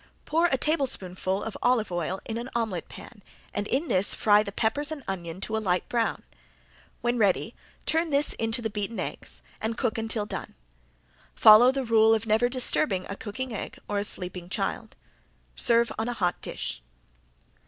Pour a tablespoonful of olive oil in an omelet pan and in this fry the peppers and onion to a light brown. When ready turn into this the beaten eggs, and cook until done. Follow the rule of never disturbing a cooking egg or a sleeping child. Serve on a hot dish.